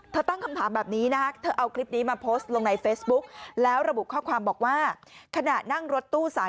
ป้าทำแบบนี้ได้ยังไงมันรวมรามหนูอะ